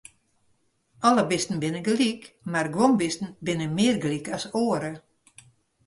Alle bisten binne gelyk, mar guon bisten binne mear gelyk as oare.